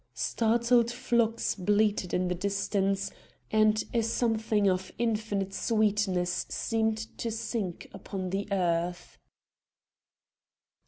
Startled flocks bleated in the distance, and a something of infinite sweetness seemed to sink upon the earth.